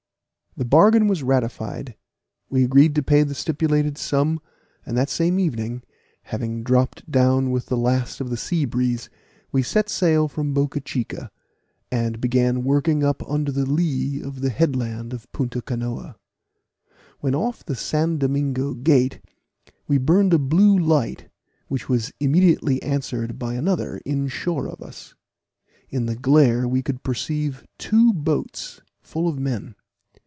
The bargain was ratified; we agreed to pay the stipulated sum, and that same evening, having dropped down with the last of the sea breeze, we set sail from Bocca Chica, and began working up under the lee of the headland of Punto Canoa. When off the San Domingo Gate, we burned a blue light, which was immediately answered by another in shore of us. In the glare we could perceive two boats, full of men.